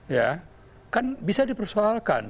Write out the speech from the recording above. ya kan bisa dipersoalkan